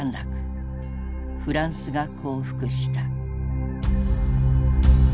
フランスが降伏した。